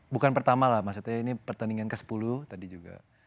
bukan pertama lah maksudnya ini pertandingan ke sepuluh tadi juga